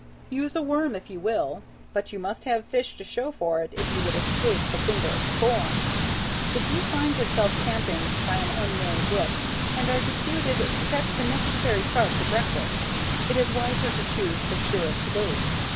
Use a worm if you will, but you must have fish to show for it, if you would escape the finger of scorn. If you find yourself camping by an unknown brook, and are deputed to catch the necessary trout for breakfast, it is wiser to choose the surest bait.